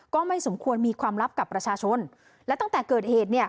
ก็ไม่สมควรมีความลับกับประชาชนและตั้งแต่เกิดเหตุเนี่ย